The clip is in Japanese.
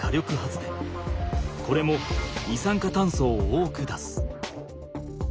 これも二酸化炭素を多く出す。